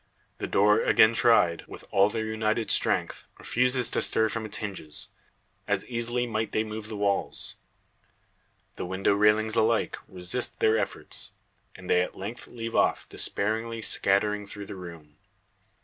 The door, again tried, with all their united strength, refuses to stir from its hinges. As easily might they move the walls. The window railings alike resist their efforts; and they at length leave off, despairingly scattering through the room.